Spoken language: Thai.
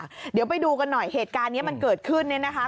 เดี๋ยวไปดูกันหน่อยเหตุการณ์นี้มันเกิดขึ้นเนี่ยนะคะ